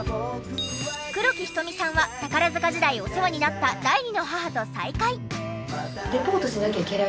黒木瞳さんは宝塚時代お世話になった第２の母と再会。